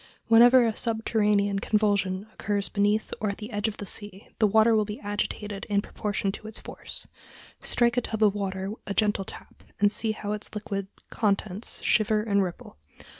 Whenever a subterranean convulsion occurs beneath or at the edge of the sea, the water will be agitated in proportion to its force. Strike a tub of water a gentle tap and see how its liquid contents shiver and ripple.